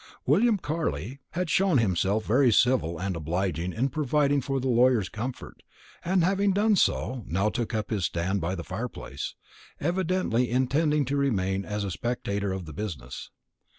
William Carley had shown himself very civil and obliging in providing for the lawyer's comfort, and having done so, now took up his stand by the fire place, evidently intending to remain as a spectator of the business.